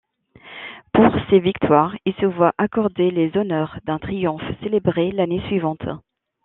Pour ces victoires, il se voit accorder les honneurs d'un triomphe, célébré l'année suivante.